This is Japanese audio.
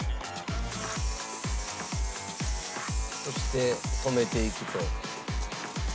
そして留めていくと。